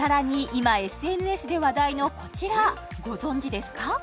今ＳＮＳで話題のこちらご存じですか？